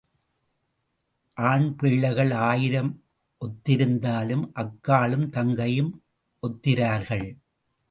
ஆண் பிள்ளைகள் ஆயிரம் ஒத்திருந்தாலும் அக்காளும் தங்கையும் ஒத்திரார்கள்.